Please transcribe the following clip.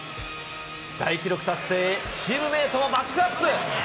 大記録達成へ、チームメートもバックアップ。